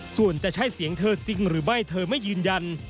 ส่วนจะใช่เสียงเธอจริงหรือไม่เธอไม่ยืนยัน